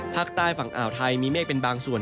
ภาคใต้ฝั่งอ่าวไทยมีเมฆเป็นบางส่วน